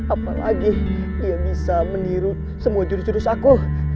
apalagi dia bisa meniru semua juru juru aku